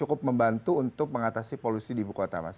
yang cukup membantu untuk mengatasi polusi di bukawata mas